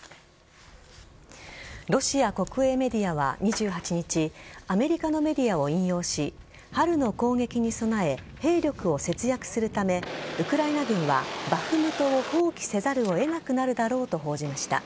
ロシア国営メディアは２８日アメリカのメディアを引用し春の攻撃に備え兵力を節約するためウクライナ軍はバフムトを放棄せざるを得なくなるだろうと報じました。